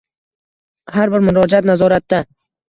Har bir murojaat nazoratdang